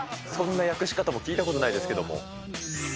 そんな略し方も聞いたこともないですけども。